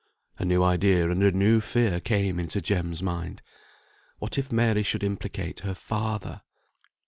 A new idea and a new fear came into Jem's mind. What if Mary should implicate her father?